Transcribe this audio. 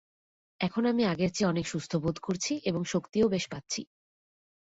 এখন আমি আগের চেয়ে অনেক সুস্থ বোধ করছি এবং শক্তিও বেশ পাচ্ছি।